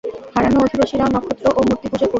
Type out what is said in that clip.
হারানের অধিবাসীরাও নক্ষত্র ও মূর্তি পূজা করত।